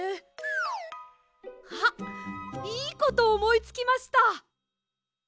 あっいいことおもいつきました！